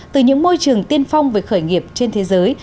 từ những môi trường tiên phong về khởi nghiệp trên thế giới